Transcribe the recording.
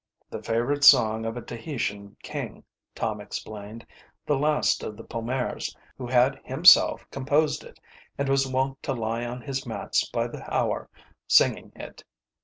The favourite song of a Tahitian king, Tom explained the last of the Pomares, who had himself composed it and was wont to lie on his mats by the hour singing it.